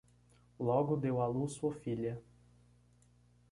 Logo deu à luz sua filha